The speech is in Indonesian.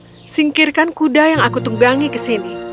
ayo singkirkan kuda yang aku tunggangi ke sini